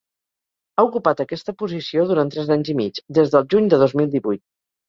Ha ocupat aquesta posició durant tres anys i mig, des del juny de dos mil divuit.